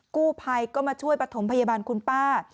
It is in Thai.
กู้ภัยก็มาช่วยประถมพยาบาลคุณป้า